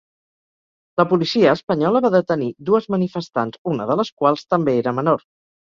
La policia espanyola va detenir dues manifestants, una de les quals també era menor.